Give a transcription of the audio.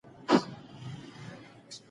ډاکټر مارکو سپرینګ د څېړنې په اړه اندېښمن دی.